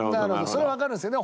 それはわかるんですけど。